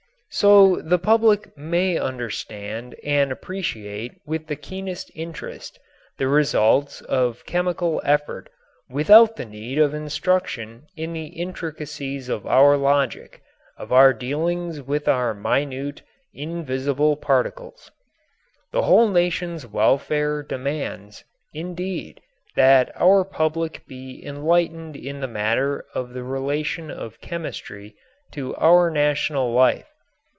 So the public may understand and appreciate with the keenest interest the results of chemical effort without the need of instruction in the intricacies of our logic, of our dealings with our minute, invisible particles. The whole nation's welfare demands, indeed, that our public be enlightened in the matter of the relation of chemistry to our national life.